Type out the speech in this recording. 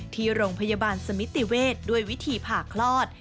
ที่โรงพยาบาลสมิติเวศด้วยวิธีผ่าคลอด